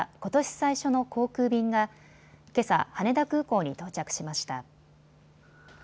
最初の航空便がけさ、羽田空港に到着しました。